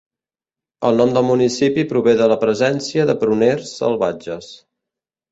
El nom del municipi prové de la presència de pruners salvatges.